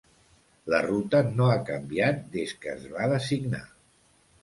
La ruta no ha canviat des que es va designar.